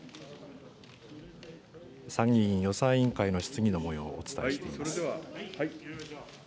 参議院予算委員会の質疑のもようをお伝えしています。